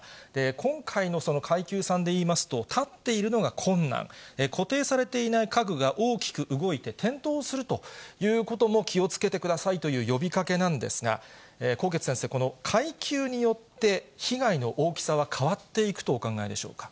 今回の階級３でいいますと、立っているのが困難、固定されていない家具が大きく動いて転倒するということも気をつけてくださいという呼びかけなんですが、纐纈先生、この階級によって、被害の大きさは変わっていくとお考えでしょうか。